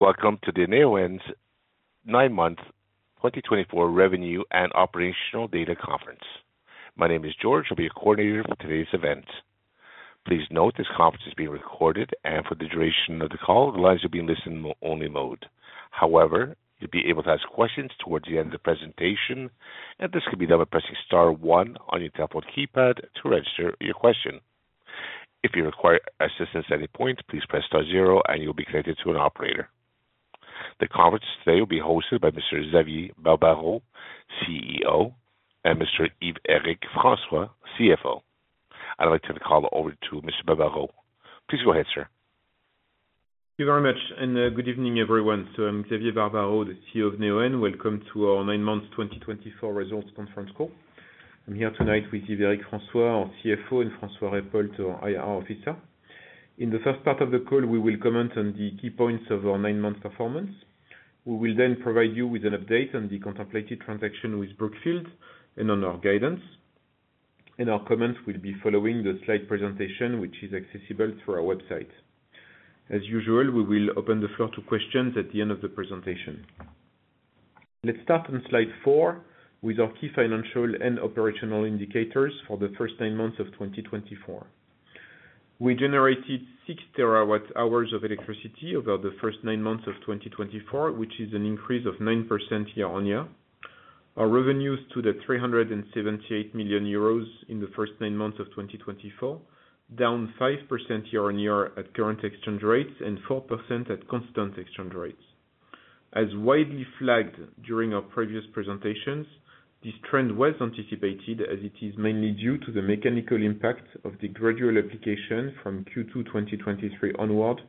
Welcome to Neoen's nine-month 2024 Revenue and Operational Data Conference. My name is George. I'll be your coordinator for today's event. Please note this conference is being recorded, and for the duration of the call, the lines will be in listen-only mode. However, you'll be able to ask questions towards the end of the presentation, and this can be done by pressing star one on your telephone keypad to register your question. If you require assistance at any point, please press star zero, and you'll be connected to an operator. The conference today will be hosted by Mr. Xavier Barbaro, CEO, and Mr. Yves-Eric François, CFO. I'd like to turn the call over to Mr. Barbaro. Please go ahead, sir. Thank you very much, and good evening, everyone, so I'm Xavier Barbaro, the CEO of Neoen. Welcome to our nine-month 2024 Results Conference Call. I'm here tonight with Yves-Eric François, our CFO, and François Mallet, our IR Officer. In the first part of the call, we will comment on the key points of our nine-month performance. We will then provide you with an update on the contemplated transaction with Brookfield and on our guidance, and our comments will be following the slide presentation, which is accessible through our website. As usual, we will open the floor to questions at the end of the presentation. Let's start on slide four with our key financial and operational indicators for the first nine months of 2024. We generated six terawatt-hours of electricity over the first nine months of 2024, which is an increase of 9% year-on-year. Our revenues stood at 378 million euros in the first nine months of 2024, down 5% year-on-year at current exchange rates and 4% at constant exchange rates. As widely flagged during our previous presentations, this trend was anticipated as it is mainly due to the mechanical impact of the gradual application from Q2 2023 onward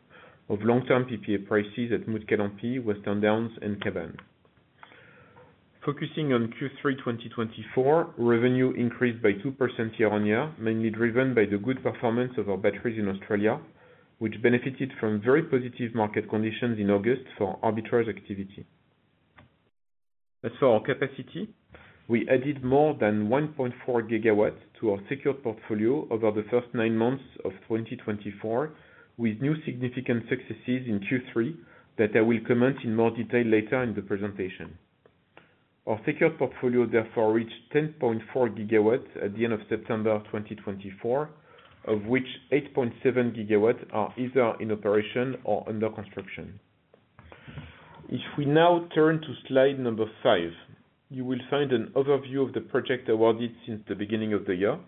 of long-term PPA prices at Mutkalampi, Western Downs, and Kaban. Focusing on Q3 2024, revenue increased by 2% year-on-year, mainly driven by the good performance of our batteries in Australia, which benefited from very positive market conditions in August for arbitrage activity. As for our capacity, we added more than 1.4 gigawatts to our secured portfolio over the first nine months of 2024, with new significant successes in Q3 that I will comment on in more detail later in the presentation. Our secured portfolio, therefore, reached 10.4 gigawatts at the end of September 2024, of which 8.7 gigawatts are either in operation or under construction. If we now turn to slide number five, you will find an overview of the projects awarded since the beginning of the year.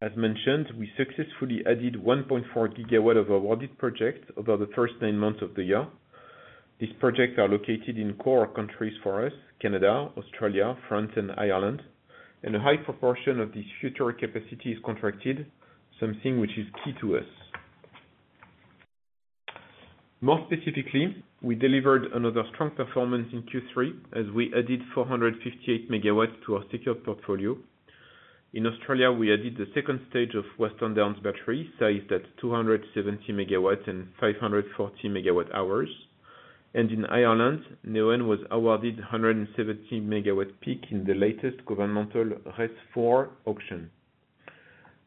As mentioned, we successfully added 1.4 gigawatts of awarded projects over the first nine months of the year. These projects are located in core countries for us: Canada, Australia, France, and Ireland, and a high proportion of these future capacities is contracted, something which is key to us. More specifically, we delivered another strong performance in Q3 as we added 458 megawatts to our secured portfolio. In Australia, we added the second stage of Western Downs Battery sized at 270 megawatts and 540 megawatt-hours. In Ireland, Neoen was awarded 170 megawatt peak in the latest governmental RESS 4 auction.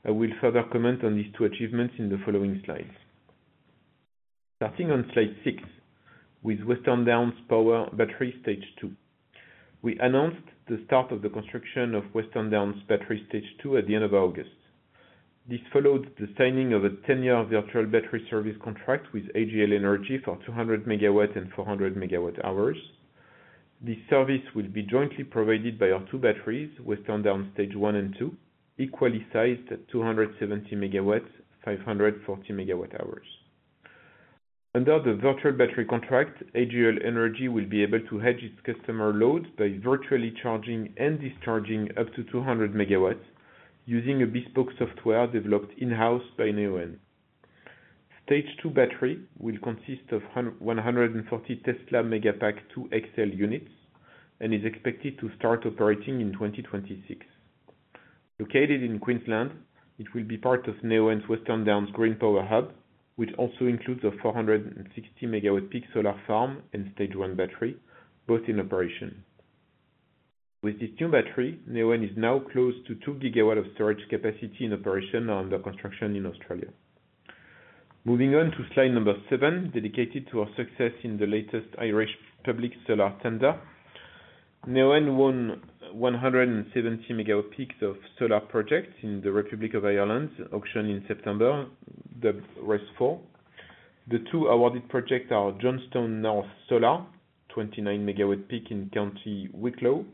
I will further comment on these two achievements in the following slides. Starting on slide six with Western Downs Battery Stage 2, we announced the start of the construction of Western Downs Battery Stage 2 at the end of August. This followed the signing of a 10-year virtual battery service contract with AGL Energy for 200 megawatts and 400 megawatt-hours. This service will be jointly provided by our two batteries, Western Downs stage one and two, equally sized at 270 megawatts and 540 megawatt-hours. Under the virtual battery contract, AGL Energy will be able to hedge its customer loads by virtually charging and discharging up to 200 megawatts using a bespoke software developed in-house by Neoen. Stage two battery will consist of 140 Tesla Megapack 2 XL units and is expected to start operating in 2026. Located in Queensland, it will be part of Neoen's Western Downs Green Power Hub, which also includes a 460 megawatt peak solar farm and stage one battery, both in operation. With this new battery, Neoen is now close to two gigawatts of storage capacity in operation under construction in Australia. Moving on to slide number seven, dedicated to our success in the latest Irish public solar tender, Neoen won 170 megawatt peaks of solar projects in the Republic of Ireland, auctioned in September, the RESS 4. The two awarded projects are Johnstown North Solar, 29 megawatt peak in County Wicklow,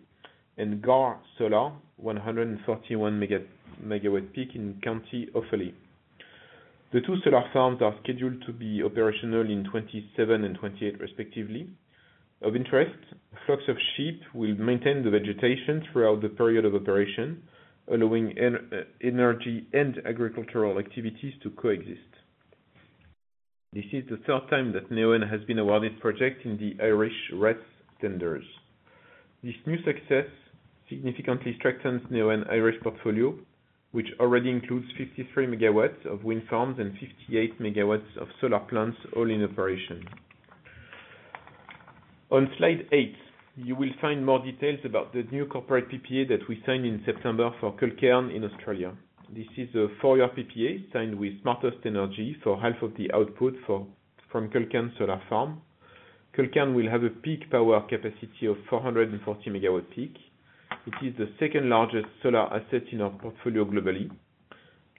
and Garr Solar, 141 megawatt peak in County Offaly. The two solar farms are scheduled to be operational in 2027 and 2028, respectively. Of interest, flocks of sheep will maintain the vegetation throughout the period of operation, allowing energy and agricultural activities to coexist. This is the third time that Neoen has been awarded projects in the Irish RESS tenders. This new success significantly strengthens Neoen's Irish portfolio, which already includes 53 megawatts of wind farms and 58 megawatts of solar plants all in operation. On slide eight, you will find more details about the new corporate PPA that we signed in September for Culcairn in Australia. This is a four-year PPA signed with SmartestEnergy for half of the output from Culcairn's solar farm. Culcairn will have a peak power capacity of 440 megawatt peak. It is the second-largest solar asset in our portfolio globally.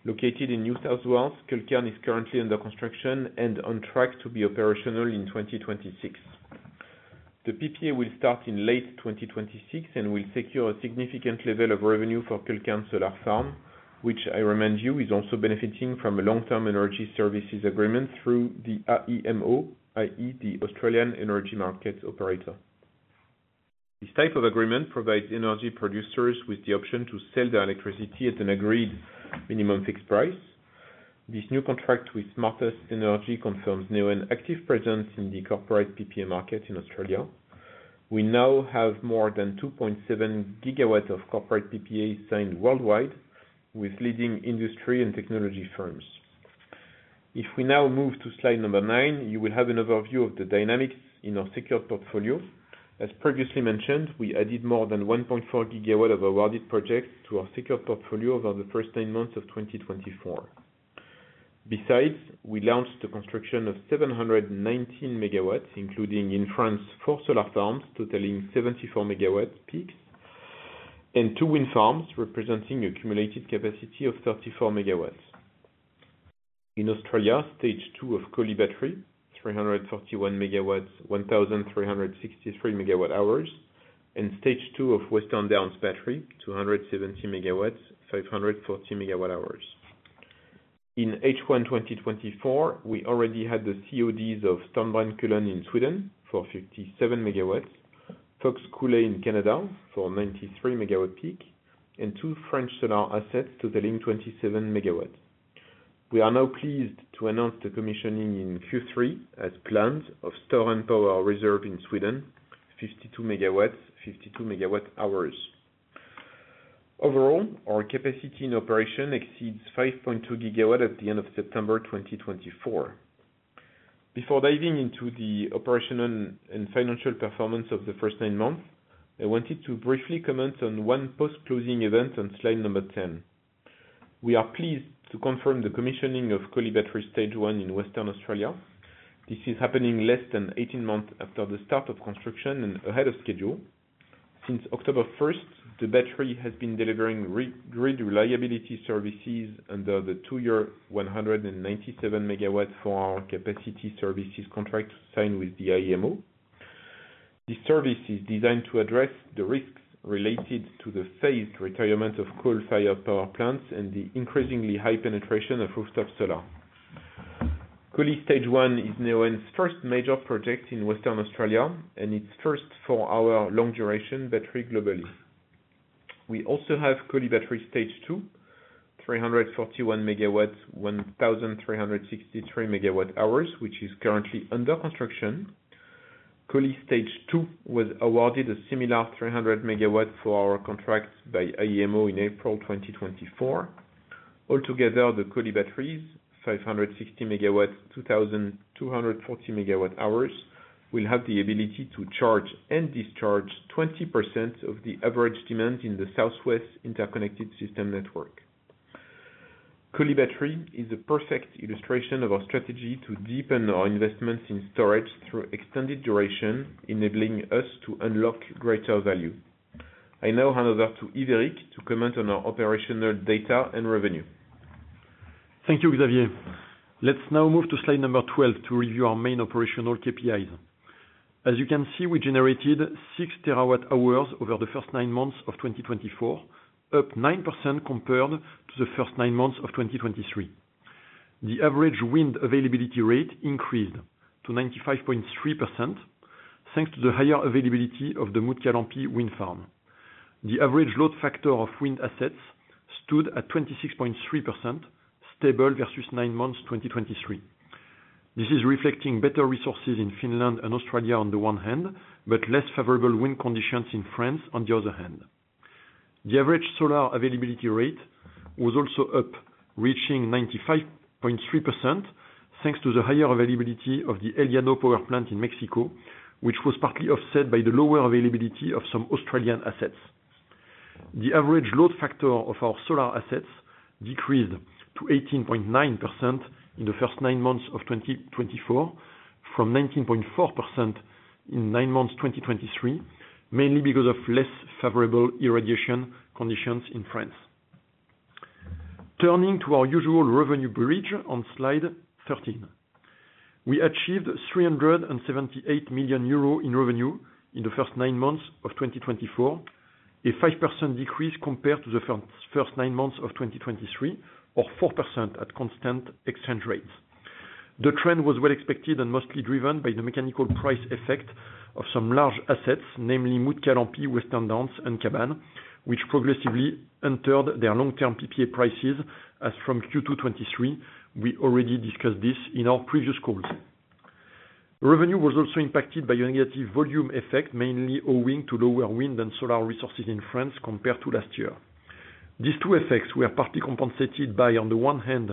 Located in New South Wales, Culcairn is currently under construction and on track to be operational in 2026. The PPA will start in late 2026 and will secure a significant level of revenue for Culcairn Solar Farm, which, I remind you, is also benefiting from a long-term energy services agreement through the AEMO, i.e., the Australian Energy Market Operator. This type of agreement provides energy producers with the option to sell their electricity at an agreed minimum fixed price. This new contract with SmartestEnergy confirms Neoen's active presence in the corporate PPA market in Australia. We now have more than 2.7 gigawatts of corporate PPA signed worldwide with leading industry and technology firms. If we now move to slide number nine, you will have an overview of the dynamics in our secured portfolio. As previously mentioned, we added more than 1.4 gigawatts of awarded projects to our secured portfolio over the first nine months of 2024. Besides, we launched the construction of 719 megawatts, including in France, four solar farms totaling 74 megawatts peaks, and two wind farms representing an accumulated capacity of 34 megawatts. In Australia, stage two of Collie Battery, 341 megawatts, 1,363 megawatt-hours, and stage two of Western Downs Battery, 270 megawatts, 540 megawatt-hours. In H1 2024, we already had the CODs of Storbrännkullen in Sweden for 57 megawatts, Fox Coulee in Canada for 93 megawatt peak, and two French solar assets totaling 27 megawatts. We are now pleased to announce the commissioning in Q3 as planned of Storen Power Reserve in Sweden, 52 megawatts, 52 megawatt-hours. Overall, our capacity in operation exceeds 5.2 gigawatts at the end of September 2024. Before diving into the operational and financial performance of the first nine months, I wanted to briefly comment on one post-closing event on slide number 10. We are pleased to confirm the commissioning of Collie Battery Stage 1 in Western Australia. This is happening less than 18 months after the start of construction and ahead of schedule. Since October 1st, the battery has been delivering grid reliability services under the two-year 197 megawatt-hour capacity services contract signed with the AEMO. This service is designed to address the risks related to the phased retirement of coal-fired power plants and the increasingly high penetration of rooftop solar. Collie stage one is Neoen's first major project in Western Australia and its first four-hour long-duration battery globally. We also have Collie Battery stage two, 341 megawatts, 1,363 megawatt-hours, which is currently under construction. Collie stage two was awarded a similar 300 megawatt-hour contract by AEMO in April 2024. Altogether, the Collie Batteries, 560 megawatts, 2,240 megawatt-hours, will have the ability to charge and discharge 20% of the average demand in the South West Interconnected System network. Collie Battery is a perfect illustration of our strategy to deepen our investments in storage through extended duration, enabling us to unlock greater value. I now hand over to Yves-Eric to comment on our operational data and revenue. Thank you, Xavier. Let's now move to slide number 12 to review our main operational KPIs. As you can see, we generated six terawatt-hours over the first nine months of 2024, up 9% compared to the first nine months of 2023. The average wind availability rate increased to 95.3% thanks to the higher availability of the Mutkalampi wind farm. The average load factor of wind assets stood at 26.3%, stable versus nine months 2023. This is reflecting better resources in Finland and Australia on the one hand, but less favorable wind conditions in France on the other hand. The average solar availability rate was also up, reaching 95.3% thanks to the higher availability of the El Llano power plant in Mexico, which was partly offset by the lower availability of some Australian assets. The average load factor of our solar assets decreased to 18.9% in the first nine months of 2024 from 19.4% in nine months 2023, mainly because of less favorable irradiation conditions in France. Turning to our usual revenue bridge on slide 13, we achieved 378 million euro in revenue in the first nine months of 2024, a 5% decrease compared to the first nine months of 2023, or 4% at constant exchange rates. The trend was well expected and mostly driven by the merchant price effect of some large assets, namely Mutkalampi, Western Downs, and Kaban, which progressively entered their long-term PPA prices as from Q2 2023. We already discussed this in our previous calls. Revenue was also impacted by a negative volume effect, mainly owing to lower wind and solar resources in France compared to last year. These two effects were partly compensated by, on the one hand,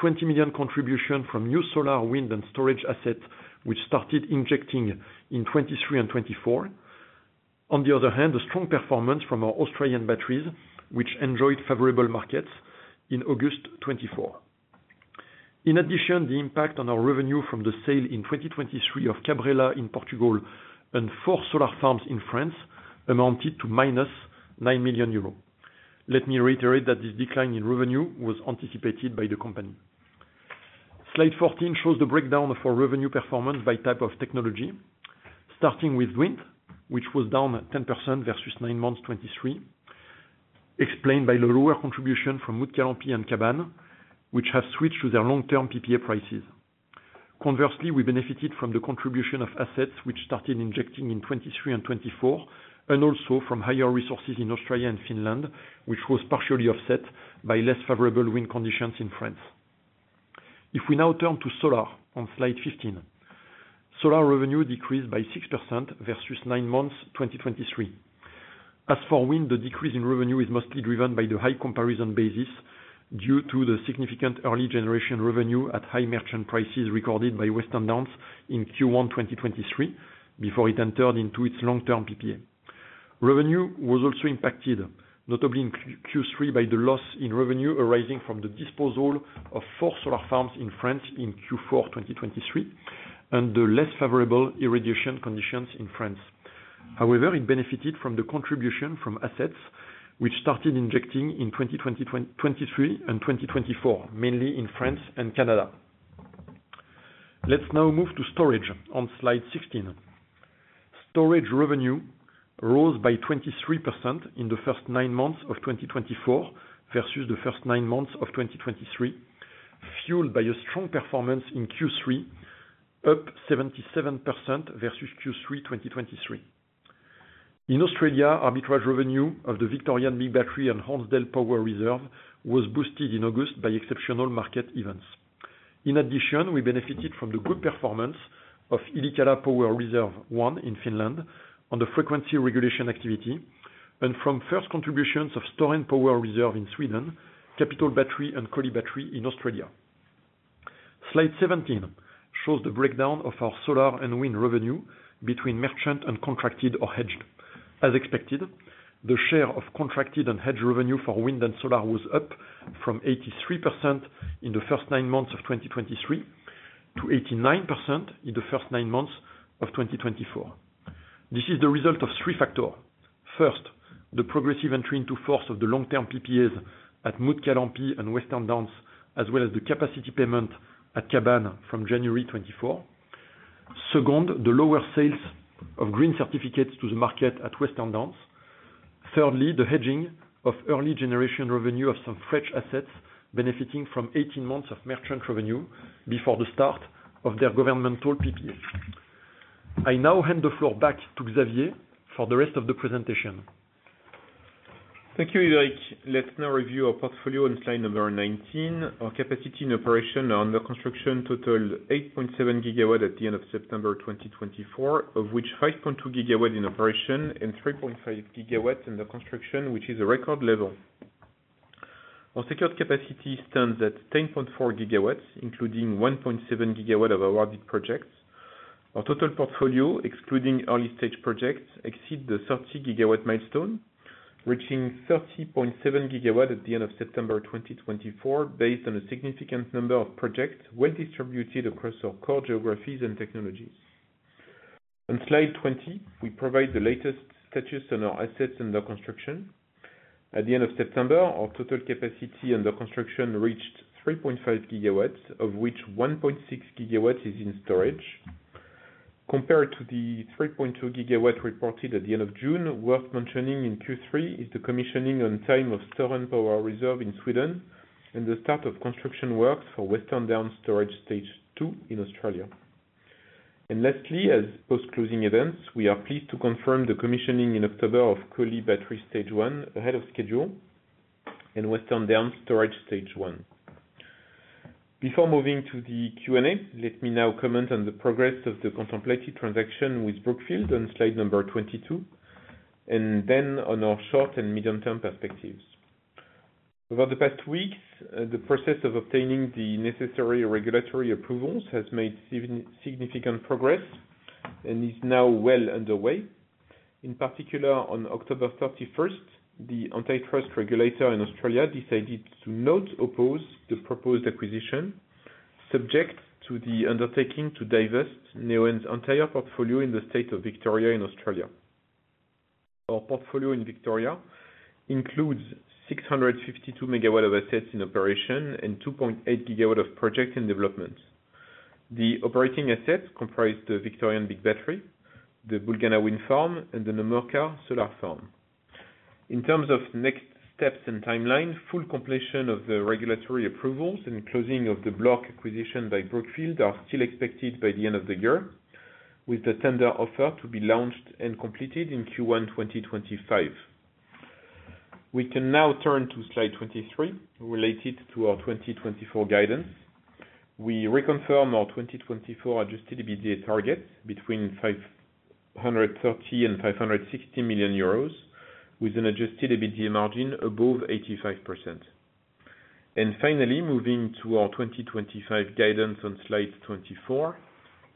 20 million contribution from new solar, wind, and storage assets, which started injecting in 2023 and 2024. On the other hand, a strong performance from our Australian batteries, which enjoyed favorable markets in August 2024. In addition, the impact on our revenue from the sale in 2023 of Cabrela in Portugal and four solar farms in France amounted to 9 million euros. Let me reiterate that this decline in revenue was anticipated by the company. Slide 14 shows the breakdown of our revenue performance by type of technology, starting with wind, which was down 10% versus nine months 2023, explained by the lower contribution from Mutkalampi and Kaban, which have switched to their long-term PPA prices. Conversely, we benefited from the contribution of assets, which started injecting in 2023 and 2024, and also from higher resources in Australia and Finland, which was partially offset by less favorable wind conditions in France. If we now turn to solar on slide 15, solar revenue decreased by 6% versus nine months 2023. As for wind, the decrease in revenue is mostly driven by the high comparison basis due to the significant early generation revenue at high merchant prices recorded by Western Downs in Q1 2023 before it entered into its long-term PPA. Revenue was also impacted, notably in Q3, by the loss in revenue arising from the disposal of four solar farms in France in Q4 2023 and the less favorable irradiation conditions in France. However, it benefited from the contribution from assets, which started injecting in 2023 and 2024, mainly in France and Canada. Let's now move to storage on slide 16. Storage revenue rose by 23% in the first nine months of 2024 versus the first nine months of 2023, fueled by a strong performance in Q3, up 77% versus Q3 2023. In Australia, arbitrage revenue of the Victorian Big Battery and Hornsdale Power Reserve was boosted in August by exceptional market events. In addition, we benefited from the good performance of Yllikkälä Power Reserve One in Finland on the frequency regulation activity and from first contributions of Storen Power Reserve in Sweden, Capital Battery, and Collie Battery in Australia. Slide 17 shows the breakdown of our solar and wind revenue between merchant and contracted or hedged. As expected, the share of contracted and hedged revenue for wind and solar was up from 83% in the first nine months of 2023 to 89% in the first nine months of 2024. This is the result of three factors. First, the progressive entry into force of the long-term PPAs at Mutkalampi and Western Downs, as well as the capacity payment at Kaban from January 2024. Second, the lower sales of green certificates to the market at Western Downs. Thirdly, the hedging of early generation revenue of some French assets benefiting from 18 months of merchant revenue before the start of their governmental PPA. I now hand the floor back to Xavier for the rest of the presentation. Thank you, Yves-Eric. Let's now review our portfolio on slide number 19. Our capacity in operation under construction totaled 8.7 gigawatts at the end of September 2024, of which 5.2 gigawatts in operation and 3.5 gigawatts under construction, which is a record level. Our secured capacity stands at 10.4 gigawatts, including 1.7 gigawatts of awarded projects. Our total portfolio, excluding early stage projects, exceeds the 30 gigawatt milestone, reaching 30.7 gigawatts at the end of September 2024, based on a significant number of projects well distributed across our core geographies and technologies. On slide 20, we provide the latest status on our assets under construction. At the end of September, our total capacity under construction reached 3.5 gigawatts, of which 1.6 gigawatts is in storage. Compared to the 3.2 gigawatts reported at the end of June, worth mentioning in Q3 is the commissioning on time of Storen Power Reserve in Sweden and the start of construction works for Western Downs Storage stage two in Australia. Lastly, as post-closing events, we are pleased to confirm the commissioning in October of Collie Battery Stage 1 ahead of schedule and Western Downs Storage stage one. Before moving to the Q&A, let me now comment on the progress of the contemplated transaction with Brookfield on slide number 22, and then on our short and medium-term perspectives. Over the past weeks, the process of obtaining the necessary regulatory approvals has made significant progress and is now well underway. In particular, on October 31st, the antitrust regulator in Australia decided to not oppose the proposed acquisition, subject to the undertaking to divest Neoen's entire portfolio in the state of Victoria in Australia. Our portfolio in Victoria includes 652 megawatts of assets in operation and 2.8 gigawatts of projects in development. The operating assets comprise the Victorian Big Battery, the Bulgana Wind Farm, and the Numurkah Solar Farm. In terms of next steps and timeline, full completion of the regulatory approvals and closing of the block acquisition by Brookfield are still expected by the end of the year, with the tender offer to be launched and completed in Q1 2025. We can now turn to slide 23 related to our 2024 guidance. We reconfirm our 2024 Adjusted EBITDA target between €530-€560 million euros, with an Adjusted EBITDA margin above 85%. Finally, moving to our 2025 guidance on slide 24,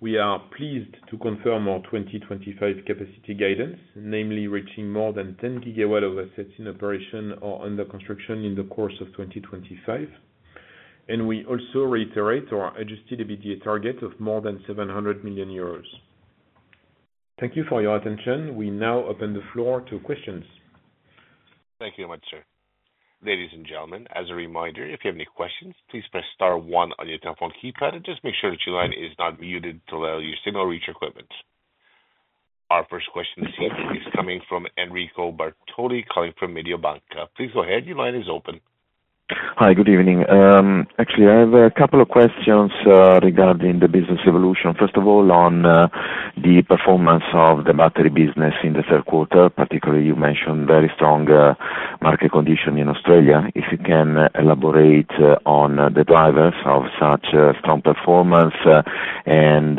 we are pleased to confirm our 2025 capacity guidance, namely reaching more than 10 gigawatts of assets in operation or under construction in the course of 2025. We also reiterate our Adjusted EBITDA target of more than €700 million. Thank you for your attention. We now open the floor to questions. Thank you very much, sir. Ladies and gentlemen, as a reminder, if you have any questions, please press star one on your telephone keypad and just make sure that your line is not muted to allow your signal to reach our equipment. Our first question is coming from Enrico Bartoli, calling from Mediobanca. Please go ahead. Your line is open. Hi, good evening. Actually, I have a couple of questions regarding the business evolution. First of all, on the performance of the battery business in the third quarter, particularly you mentioned very strong market condition in Australia. If you can elaborate on the drivers of such strong performance and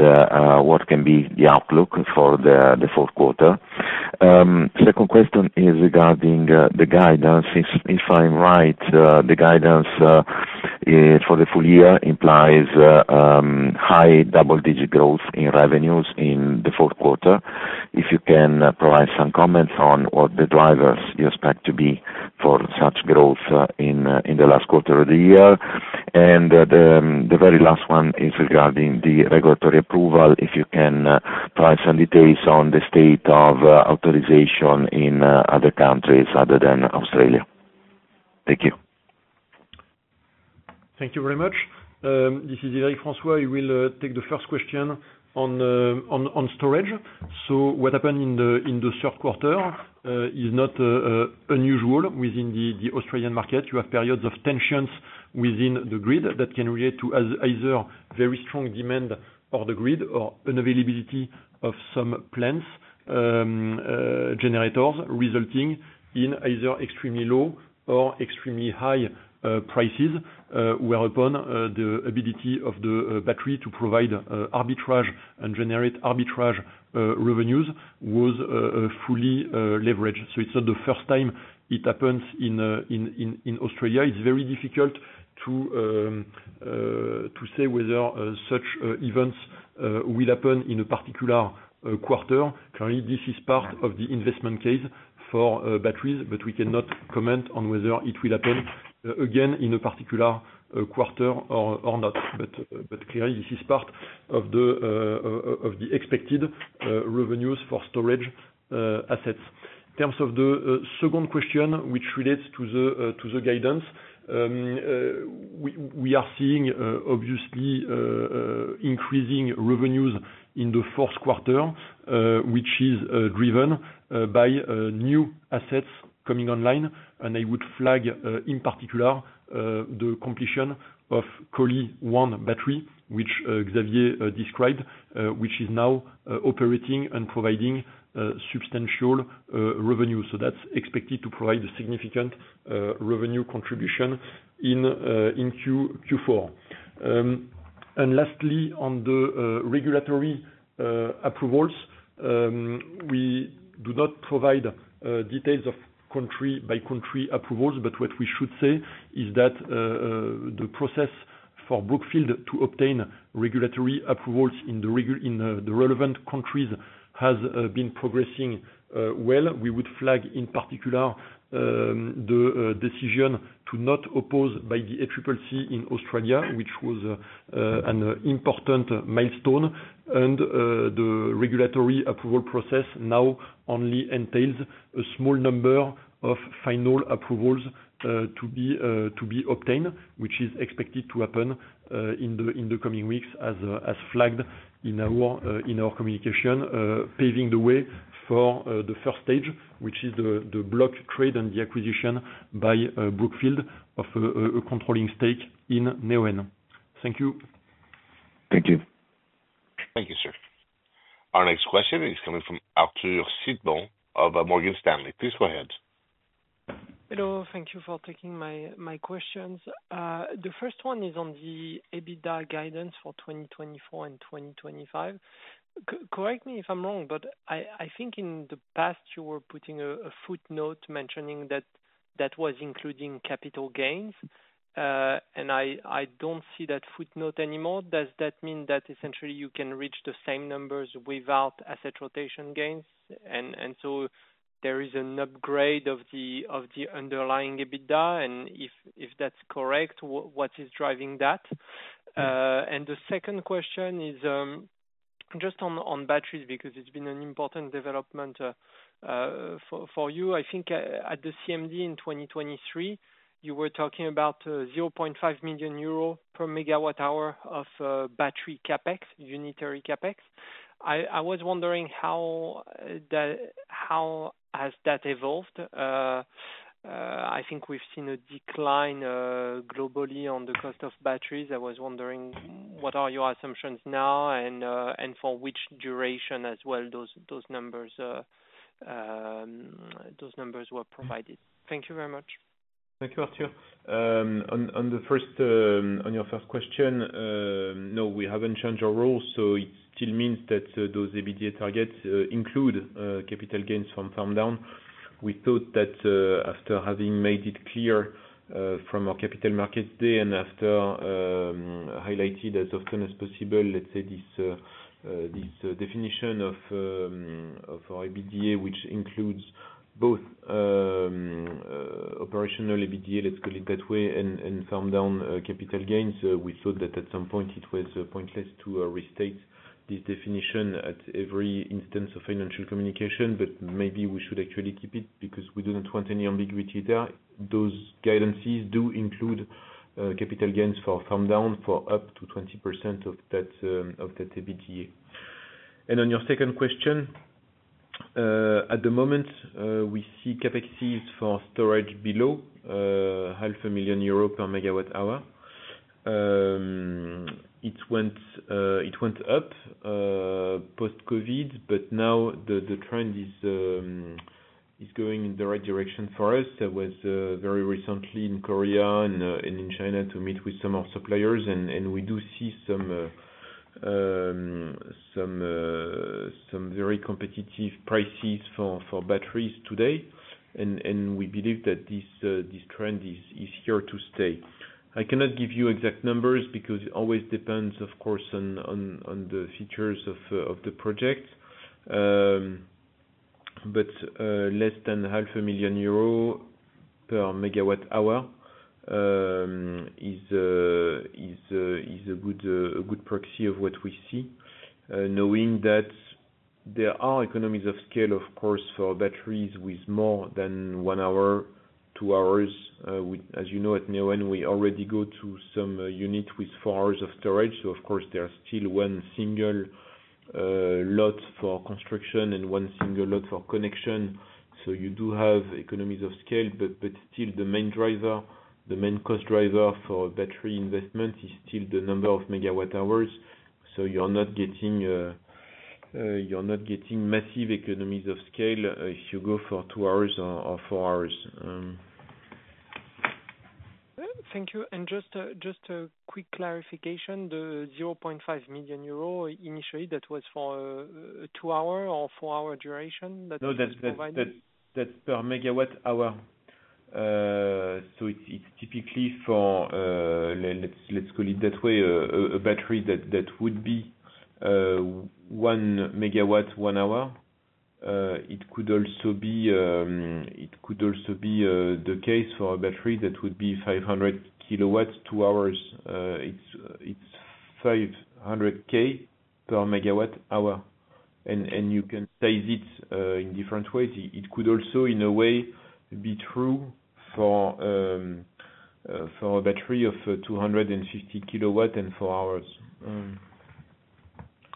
what can be the outlook for the fourth quarter? Second question is regarding the guidance. If I'm right, the guidance for the full year implies high double-digit growth in revenues in the fourth quarter. If you can provide some comments on what the drivers you expect to be for such growth in the last quarter of the year? And the very last one is regarding the regulatory approval. If you can provide some details on the state of authorization in other countries other than Australia? Thank you. Thank you very much. This is Yves-Eric François. I will take the first question on storage. So what happened in the third quarter is not unusual within the Australian market. You have periods of tensions within the grid that can relate to either very strong demand for the grid or unavailability of some plants, generators, resulting in either extremely low or extremely high prices, whereupon the ability of the battery to provide arbitrage and generate arbitrage revenues was fully leveraged. So it's not the first time it happens in Australia. It's very difficult to say whether such events will happen in a particular quarter. Clearly, this is part of the investment case for batteries, but we cannot comment on whether it will happen again in a particular quarter or not. But clearly, this is part of the expected revenues for storage assets. In terms of the second question, which relates to the guidance, we are seeing obviously increasing revenues in the fourth quarter, which is driven by new assets coming online, and I would flag in particular the completion of Collie One battery, which Xavier described, which is now operating and providing substantial revenue, so that's expected to provide a significant revenue contribution in Q4, and lastly, on the regulatory approvals, we do not provide details of country-by-country approvals, but what we should say is that the process for Brookfield to obtain regulatory approvals in the relevant countries has been progressing well. We would flag in particular the decision to not oppose by the ACCC in Australia, which was an important milestone. The regulatory approval process now only entails a small number of final approvals to be obtained, which is expected to happen in the coming weeks, as flagged in our communication, paving the way for the first stage, which is the block trade and the acquisition by Brookfield of a controlling stake in Neoen. Thank you. Thank you. Thank you, sir. Our next question is coming from Arthur Sitbon of Morgan Stanley. Please go ahead. Hello. Thank you for taking my questions. The first one is on the EBITDA guidance for 2024 and 2025. Correct me if I'm wrong, but I think in the past, you were putting a footnote mentioning that that was including capital gains. And I don't see that footnote anymore. Does that mean that essentially you can reach the same numbers without asset rotation gains? And so there is an upgrade of the underlying EBITDA. And if that's correct, what is driving that? And the second question is just on batteries because it's been an important development for you. I think at the CMD in 2023, you were talking about €0.5 million per megawatt hour of battery capex, unitary capex. I was wondering how has that evolved? I think we've seen a decline globally on the cost of batteries. I was wondering what are your assumptions now and for which duration as well those numbers were provided? Thank you very much. Thank you, Arthur. On your first question, no, we haven't changed our rule. So it still means that those EBITDA targets include capital gains from farm-down. We thought that after having made it clear from our capital markets day and after highlighting as often as possible, let's say this definition of our EBITDA, which includes both operational EBITDA, let's call it that way, and farm-down capital gains, we thought that at some point it was pointless to restate this definition at every instance of financial communication, but maybe we should actually keep it because we don't want any ambiguity there. Those guidances do include capital gains for farm-down for up to 20% of that EBITDA. And on your second question, at the moment, we see CapEx for storage below 500 million euro per megawatt hour. It went up post-COVID, but now the trend is going in the right direction for us. I was very recently in Korea and in China to meet with some of our suppliers, and we do see some very competitive prices for batteries today. And we believe that this trend is here to stay. I cannot give you exact numbers because it always depends, of course, on the features of the projects. But less than €500 million per megawatt hour is a good proxy of what we see, knowing that there are economies of scale, of course, for batteries with more than one hour, two hours. As you know, at Neoen, we already go to some units with four hours of storage. So, of course, there are still one single lot for construction and one single lot for connection. So you do have economies of scale, but still the main driver, the main cost driver for battery investment is still the number of megawatt hours. So you're not getting massive economies of scale if you go for two hours or four hours. Thank you, and just a quick clarification, the 0.5 million euro initially, that was for a two-hour or four-hour duration that you provided? No, that's per megawatt hour, so it's typically for, let's call it that way, a battery that would be one megawatt, one hour. It could also be the case for a battery that would be 500 kilowatts, two hours. It's 500K per megawatt hour, and you can size it in different ways. It could also, in a way, be true for a battery of 250 kilowatts and four hours.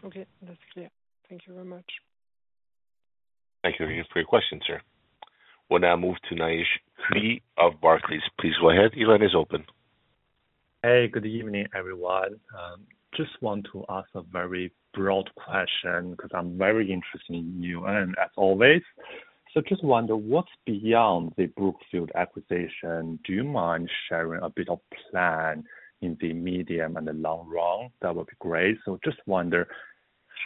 Okay. That's clear. Thank you very much. Thank you again for your question, sir. We'll now move to Nishu Qu of Barclays. Please go ahead. The event is open. Hey, good evening, everyone. Just want to ask a very broad question because I'm very interested in you and as always. So just wonder what's beyond the Brookfield acquisition? Do you mind sharing a bit of plan in the medium and the long run? That would be great. So just wonder,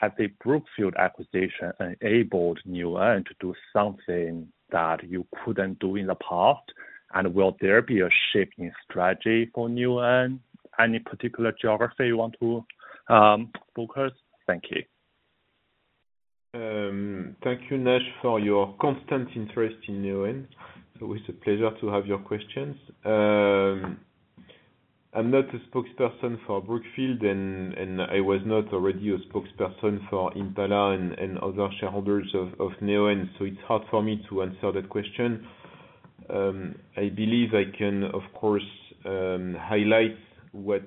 has the Brookfield acquisition enabled Neoen to do something that you couldn't do in the past? And will there be a shift in strategy for Neoen? Any particular geography you want to focus? Thank you. Thank you, Nishu, for your constant interest in Neoen. It was a pleasure to have your questions. I'm not a spokesperson for Brookfield, and I was not already a spokesperson for Impala and other shareholders of Neoen. So it's hard for me to answer that question. I believe I can, of course, highlight what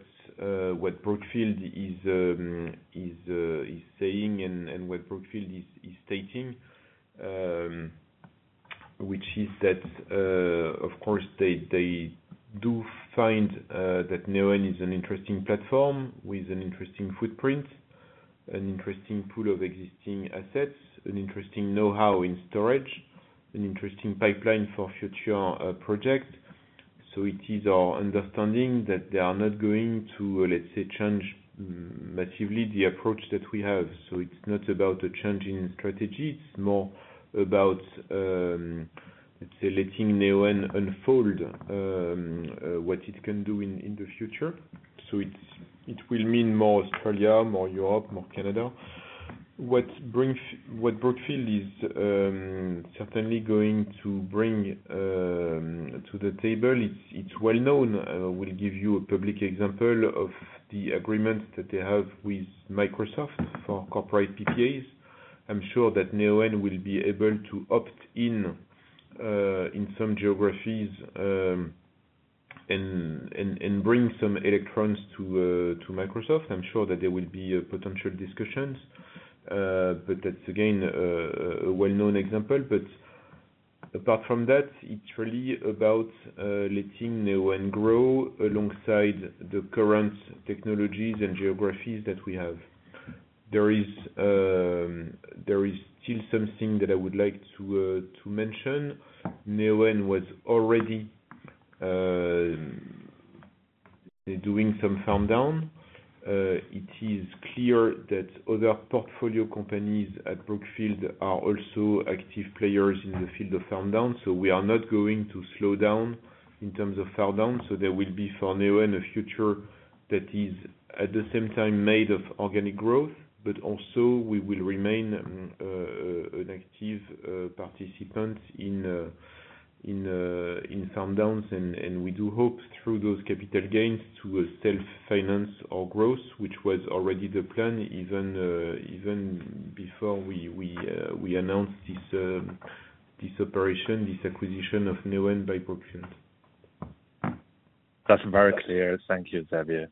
Brookfield is saying and what Brookfield is stating, which is that, of course, they do find that Neoen is an interesting platform with an interesting footprint, an interesting pool of existing assets, an interesting know-how in storage, an interesting pipeline for future projects. So it is our understanding that they are not going to, let's say, change massively the approach that we have. So it's not about a change in strategy. It's more about, let's say, letting Neoen unfold what it can do in the future. So it will mean more Australia, more Europe, more Canada. What Brookfield is certainly going to bring to the table, it's well known. We'll give you a public example of the agreement that they have with Microsoft for corporate PPAs. I'm sure that Neoen will be able to opt in some geographies and bring some electrons to Microsoft. I'm sure that there will be potential discussions, but that's, again, a well-known example. But apart from that, it's really about letting Neoen grow alongside the current technologies and geographies that we have. There is still something that I would like to mention. Neoen was already doing some farm-down. It is clear that other portfolio companies at Brookfield are also active players in the field of farm-down. So we are not going to slow down in terms of farm-down. So there will be for Neoen a future that is at the same time made of organic growth, but also we will remain an active participant in farm-downs. And we do hope through those capital gains to self-finance our growth, which was already the plan even before we announced this operation, this acquisition of Neoen by Brookfield. That's very clear. Thank you, Xavier.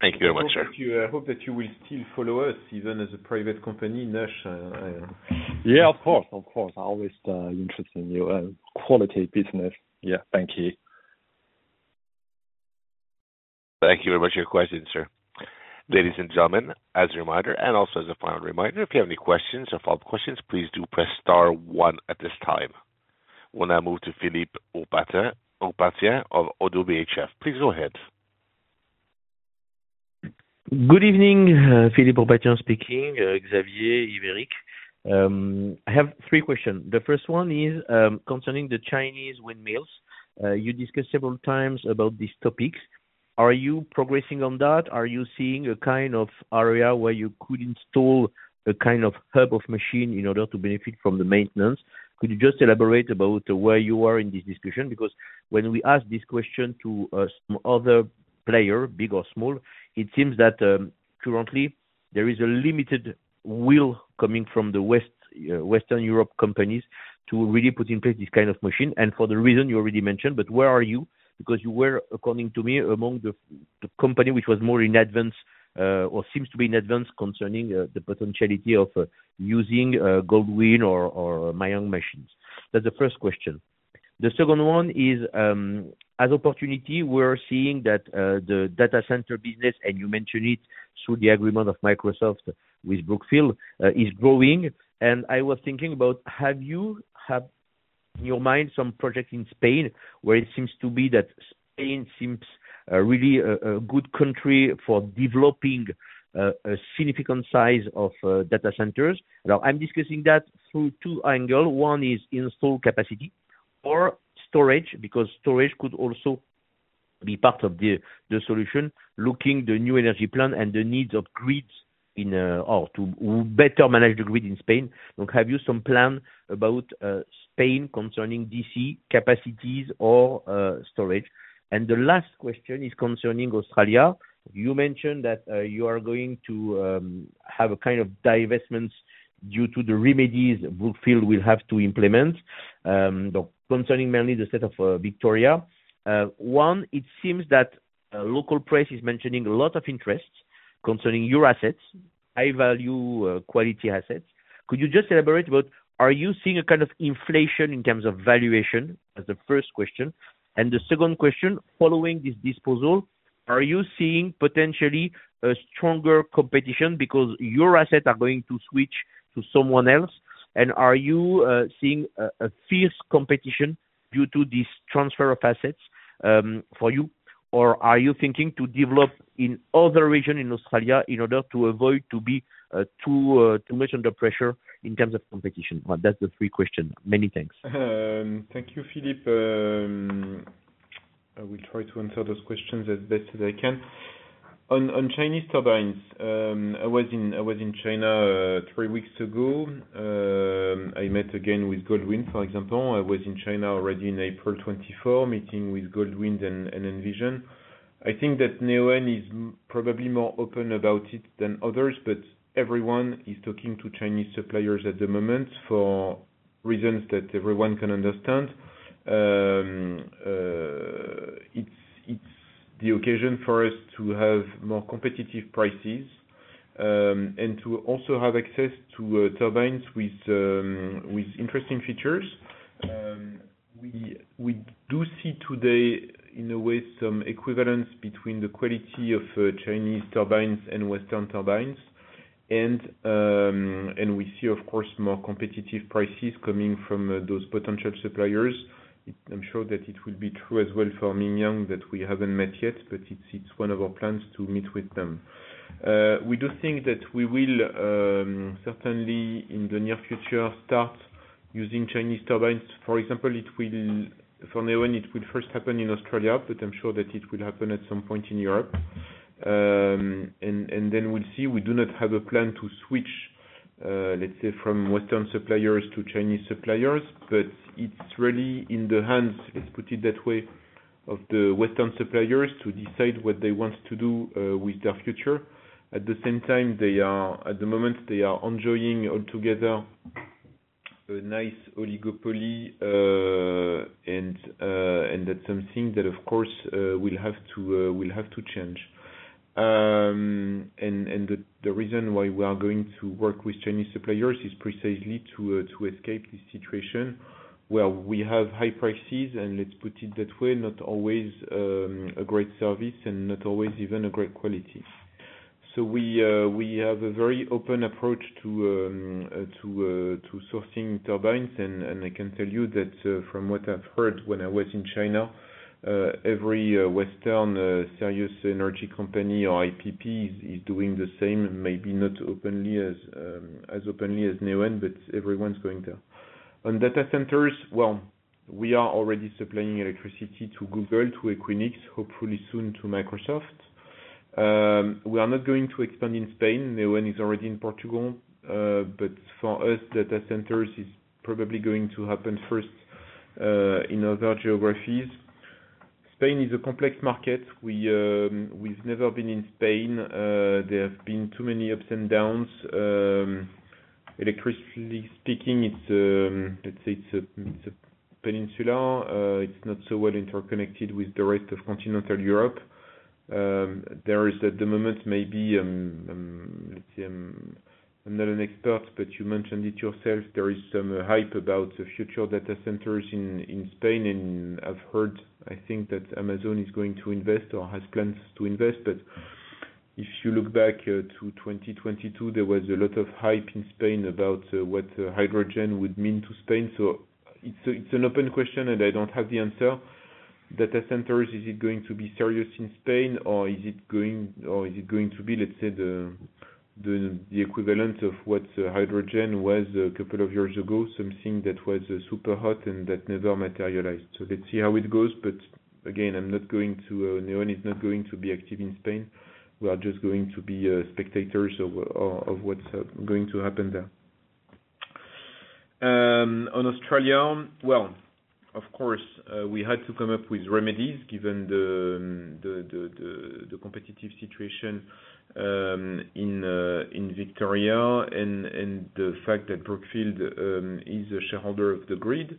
Thank you very much, sir. I hope that you will still follow us even as a private company, Nishu. Yeah, of course. Of course. I'm always interested in your quality business. Yeah. Thank you. Thank you very much for your question, sir. Ladies and gentlemen, as a reminder, and also as a final reminder, if you have any questions or follow-up questions, please do press star one at this time. We'll now move to Philippe Ourpatian of ODDO BHF. Please go ahead. Good evening. Philippe Ourpatian speaking. Xavier Barbaro. I have three questions. The first one is concerning the Chinese windmills. You discussed several times about this topic. Are you progressing on that? Are you seeing a kind of area where you could install a kind of hub of machine in order to benefit from the maintenance? Could you just elaborate about where you are in this discussion? Because when we ask this question to some other player, big or small, it seems that currently there is a limited will coming from the Western Europe companies to really put in place this kind of machine. For the reason you already mentioned, but where are you? Because you were, according to me, among the company which was more in advance or seems to be in advance concerning the potentiality of using Goldwind or Mingyang machines. That's the first question. The second one is, as opportunity, we're seeing that the data center business, and you mentioned it through the agreement of Microsoft with Brookfield, is growing. And I was thinking about, have you in your mind some project in Spain where it seems to be that Spain seems really a good country for developing a significant size of data centers? Now, I'm discussing that through two angles. One is install capacity or storage because storage could also be part of the solution, looking at the new energy plan and the needs of grids to better manage the grid in Spain. So have you some plan about Spain concerning DC capacities or storage? And the last question is concerning Australia. You mentioned that you are going to have a kind of divestment due to the remedies Brookfield will have to implement concerning mainly the state of Victoria. One, it seems that local press is mentioning a lot of interest concerning your assets, high-value quality assets. Could you just elaborate about, are you seeing a kind of inflation in terms of valuation as the first question? And the second question, following this disposal, are you seeing potentially a stronger competition because your assets are going to switch to someone else? And are you seeing a fierce competition due to this transfer of assets for you? Or are you thinking to develop in other regions in Australia in order to avoid being too much under pressure in terms of competition? That's the three questions. Many thanks. Thank you, Philippe. I will try to answer those questions as best as I can. On Chinese turbines, I was in China three weeks ago. I met again with Goldwind, for example. I was in China already in April 2024, meeting with Goldwind and Envision. I think that Neoen is probably more open about it than others, but everyone is talking to Chinese suppliers at the moment for reasons that everyone can understand. It's the occasion for us to have more competitive prices and to also have access to turbines with interesting features. We do see today, in a way, some equivalence between the quality of Chinese turbines and Western turbines. And we see, of course, more competitive prices coming from those potential suppliers. I'm sure that it will be true as well for Mingyang that we haven't met yet, but it's one of our plans to meet with them. We do think that we will certainly, in the near future, start using Chinese turbines. For example, for Neoen, it will first happen in Australia, but I'm sure that it will happen at some point in Europe. And then we'll see. We do not have a plan to switch, let's say, from Western suppliers to Chinese suppliers, but it's really in the hands, let's put it that way, of the Western suppliers to decide what they want to do with their future. At the same time, at the moment, they are enjoying altogether a nice oligopoly, and that's something that, of course, we'll have to change. And the reason why we are going to work with Chinese suppliers is precisely to escape this situation where we have high prices, and let's put it that way, not always a great service and not always even a great quality. So we have a very open approach to sourcing turbines. And I can tell you that from what I've heard when I was in China, every Western serious energy company or IPP is doing the same, maybe not as openly as Neoen, but everyone's going there. On data centers, well, we are already supplying electricity to Google, to Equinix, hopefully soon to Microsoft. We are not going to expand in Spain. Neoen is already in Portugal. But for us, data centers is probably going to happen first in other geographies. Spain is a complex market. We've never been in Spain. There have been too many ups and downs. Electricity speaking, let's say it's a peninsula. It's not so well interconnected with the rest of continental Europe. There is, at the moment, maybe I'm not an expert, but you mentioned it yourself. There is some hype about future data centers in Spain, and I've heard, I think, that Amazon is going to invest or has plans to invest, but if you look back to 2022, there was a lot of hype in Spain about what hydrogen would mean to Spain, so it's an open question, and I don't have the answer. Data centers, is it going to be serious in Spain, or is it going to be, let's say, the equivalent of what hydrogen was a couple of years ago, something that was super hot and that never materialized, so let's see how it goes, but again, I'm not going to. Neoen is not going to be active in Spain. We are just going to be spectators of what's going to happen there. On Australia, well, of course, we had to come up with remedies given the competitive situation in Victoria and the fact that Brookfield is a shareholder of the grid.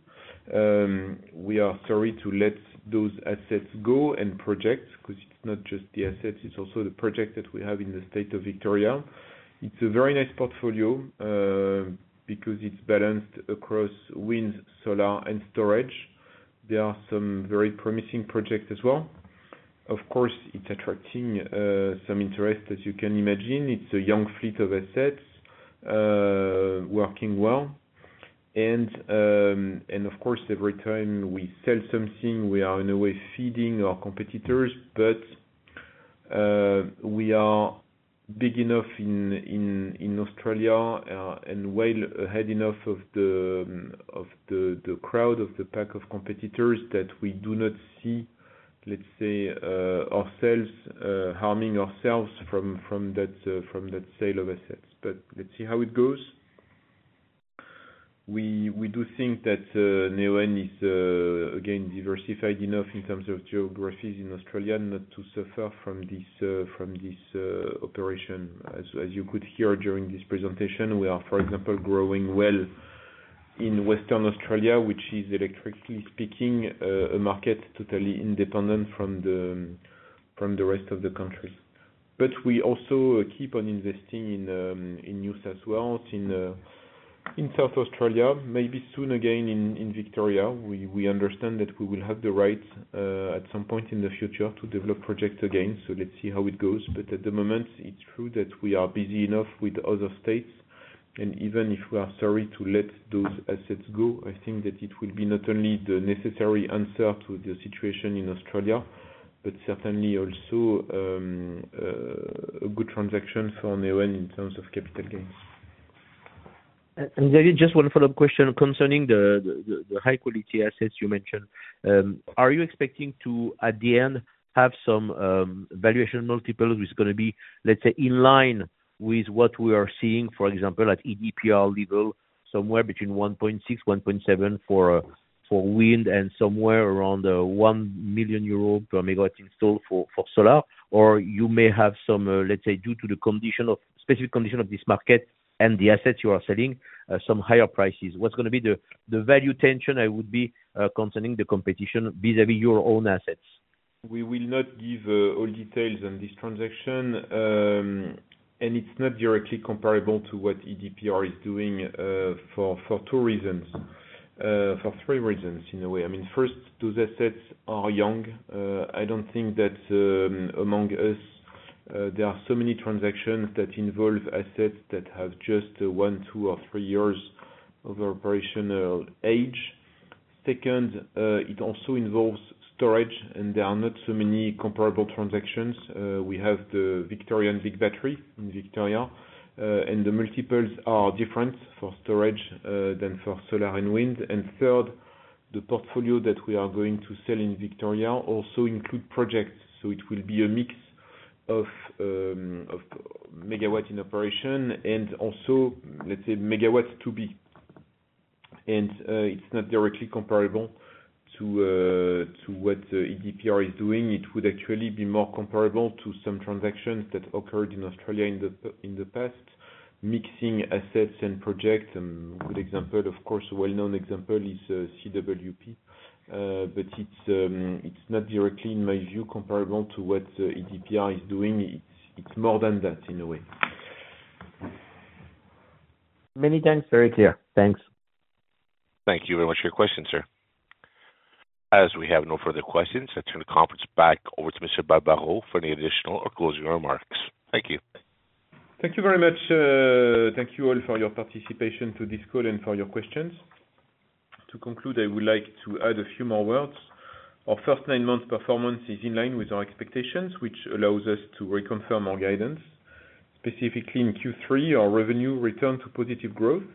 We are sorry to let those assets go and projects because it's not just the assets. It's also the project that we have in the state of Victoria. It's a very nice portfolio because it's balanced across wind, solar, and storage. There are some very promising projects as well. Of course, it's attracting some interest, as you can imagine. It's a young fleet of assets working well. And of course, every time we sell something, we are, in a way, feeding our competitors. But we are big enough in Australia and well ahead enough of the crowd, of the pack of competitors that we do not see, let's say, ourselves harming ourselves from that sale of assets. But let's see how it goes. We do think that Neoen is, again, diversified enough in terms of geographies in Australia not to suffer from this operation. As you could hear during this presentation, we are, for example, growing well in Western Australia, which is, electrically speaking, a market totally independent from the rest of the country. But we also keep on investing in new sales wells in South Australia, maybe soon again in Victoria. We understand that we will have the right at some point in the future to develop projects again. So let's see how it goes. But at the moment, it's true that we are busy enough with other states. Even if we are sorry to let those assets go, I think that it will be not only the necessary answer to the situation in Australia, but certainly also a good transaction for Neoen in terms of capital gains. Xavier, just one follow-up question concerning the high-quality assets you mentioned. Are you expecting to, at the end, have some valuation multiples which are going to be, let's say, in line with what we are seeing, for example, at EDPR level, somewhere between 1.6-1.7 for wind and somewhere around 1 million euro per megawatt installed for solar? Or you may have some, let's say, due to the specific condition of this market and the assets you are selling, some higher prices. What's going to be the value tension I would be concerning the competition vis-à-vis your own assets? We will not give all details on this transaction. And it's not directly comparable to what EDPR is doing for two reasons, for three reasons in a way. I mean, first, those assets are young. I don't think that among us, there are so many transactions that involve assets that have just one, two, or three years of operational age. Second, it also involves storage, and there are not so many comparable transactions. We have the Victorian Big Battery in Victoria, and the multiples are different for storage than for solar and wind. And third, the portfolio that we are going to sell in Victoria also includes projects. So it will be a mix of megawatt in operation and also, let's say, megawatt to be. And it's not directly comparable to what EDPR is doing. It would actually be more comparable to some transactions that occurred in Australia in the past, mixing assets and projects. A good example, of course, a well-known example is CWP, but it's not directly, in my view, comparable to what EDPR is doing. It's more than that in a way. Many thanks. Very clear. Thanks. Thank you very much for your questions, sir. As we have no further questions, I turn the conference back over to Mr. Barbaro for any additional or closing remarks. Thank you. Thank you very much. Thank you all for your participation to this call and for your questions. To conclude, I would like to add a few more words. Our first nine months' performance is in line with our expectations, which allows us to reconfirm our guidance. Specifically, in Q3, our revenue returned to positive growth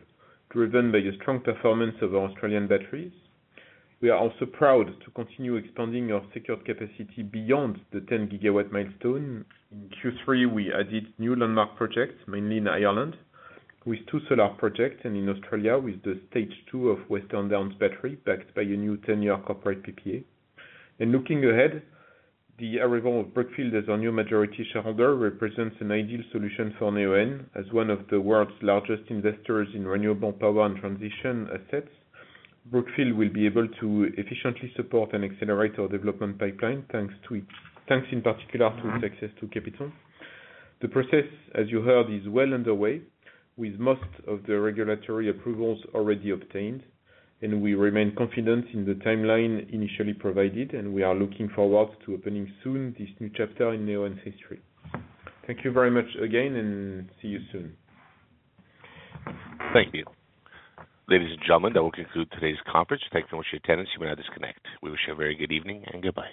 driven by the strong performance of our Australian batteries. We are also proud to continue expanding our secured capacity beyond the 10-gigawatt milestone. In Q3, we added new landmark projects, mainly in Ireland, with two solar projects and in Australia with the stage two of Western Downs Battery backed by a new 10-year corporate PPA. And looking ahead, the arrival of Brookfield as our new majority shareholder represents an ideal solution for Neoen. As one of the world's largest investors in renewable power and transition assets, Brookfield will be able to efficiently support and accelerate our development pipeline, thanks in particular to its access to capital. The process, as you heard, is well underway, with most of the regulatory approvals already obtained, and we remain confident in the timeline initially provided, and we are looking forward to opening soon this new chapter in Neoen's history. Thank you very much again, and see you soon. Thank you. Ladies and gentlemen, that will conclude today's conference. Thank you very much for your attendance. You may now disconnect. We wish you a very good evening and goodbye.